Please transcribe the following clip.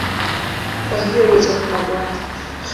Kwa hiyo ni chakula bora.